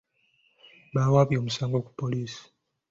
Baawaabye omusango ku poliisi.